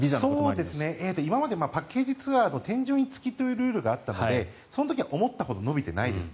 今までパッケージツアーは添乗員付きというルールがあったのでその時は思ったほど伸びていないです。